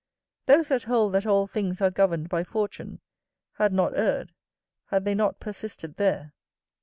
Those that hold that all things are governed by fortune, had not erred, had they not persisted there.